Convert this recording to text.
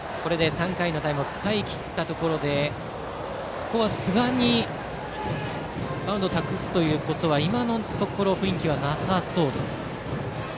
３回のタイムを使い切ったところここは寿賀にマウンドを託すことは今のところ、雰囲気はなさそう。